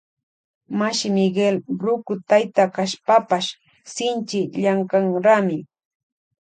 Mashi Miguel ruku tayta kashpapash shinchi llankanrami.